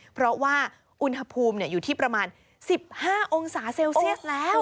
เพราะว่าอุณหภูมิอยู่ที่ประมาณ๑๕องศาเซลเซียสแล้ว